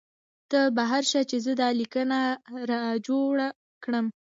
تۀ بهر شه چې زۀ دا کلینک را جارو کړم " ـ